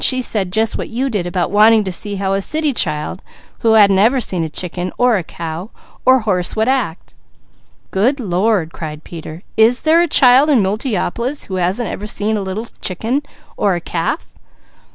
She said just what you did about wanting to see how a city child who hadn't ever seen a chicken, or a cow, or horse would act " "Good Lord!" cried Peter. "Is there a child in Multiopolis who hasn't ever seen a little chicken, or a calf?"